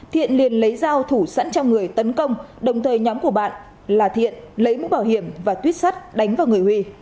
thiện liền lấy dao thủ sẵn trong người tấn công đồng thời nhóm của bạn là thiện lấy mũ bảo hiểm và tuyết sắt đánh vào người huy